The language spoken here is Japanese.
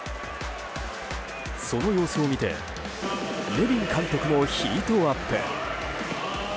その様子を見てネビン監督もヒートアップ。